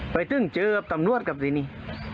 ไปไม่ตึงเจอทำรวจกับที่นี่